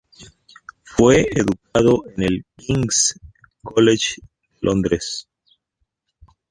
Fue educado en el King's College de Londres.